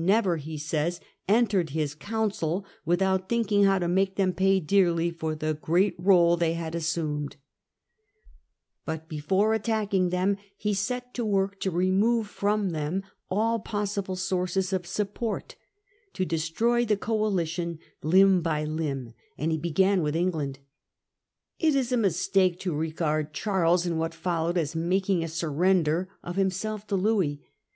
179 never, he says, entered his council without thinking how to make them pay dearly for the great rdle they had Louis deter assume< But before attacking them he set to mines to gain work to remove from them all possible sources Charles 11. SU pp 0rt> to destroy the coalition limb by limb \ and he began with England. It is a mistake to regard Charles in what followed as making a surrender of himself to Louis.